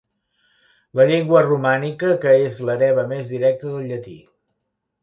La llengua romànica que és l'hereva més directa del llatí.